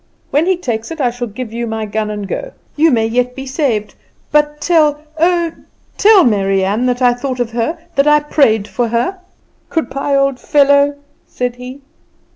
When he takes it I shall give you my gun and go. You may yet be saved; but tell, oh, tell Mary Ann that I thought of her, that I prayed for her.' "'Good bye, old fellow,' said he.